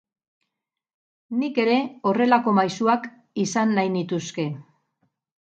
Nik ere horrelako maisuak izan nahi nituzke.